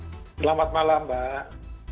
selamat malam mbak